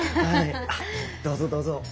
はいどうぞどうぞ。